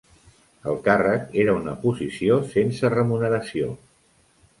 El càrrec era una posició sense remuneració.